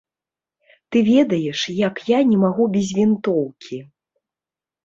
Ты ведаеш, як я не магу без вінтоўкі.